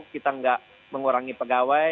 kita nggak mengurangi pegawai